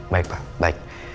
baik pak baik